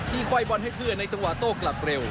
ค่อยบอลให้เพื่อนในจังหวะโต้กลับเร็ว